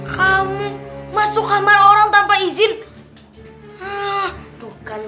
kamu masuk kamar orang tanpa izin